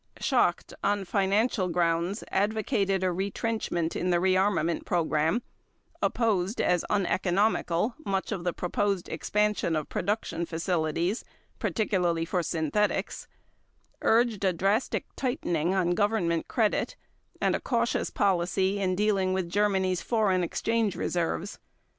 Schacht, on financial grounds, advocated a retrenchment in the rearmament program, opposed as uneconomical much of the proposed expansion of production facilities, particularly for synthetics, urged a drastic tightening on Government credit and a cautious policy in dealing with Germany's foreign exchange reserves.